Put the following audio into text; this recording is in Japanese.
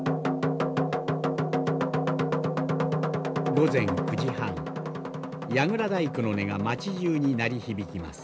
午前９時半櫓太鼓の音が町じゅうに鳴り響きます。